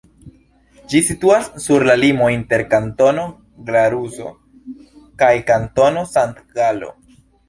Ĝi situas sur la limo inter Kantono Glaruso kaj Kantono Sankt-Galo.